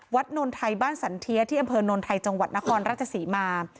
นนไทยบ้านสันเทียที่อำเภอนนไทยจังหวัดนครราชศรีมา